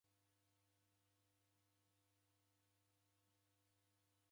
Mwalisa kubonya kiw'iw'i.